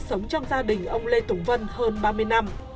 sống trong gia đình ông lê tùng vân hơn ba mươi năm